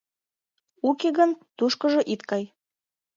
Уке гын тушкыжо ит кай.